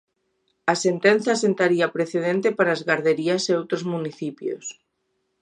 A sentenza sentaría precedente para as garderías e outros municipios.